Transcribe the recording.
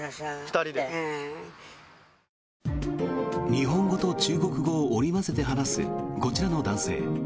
日本語と中国語を織り交ぜて話すこちらの男性。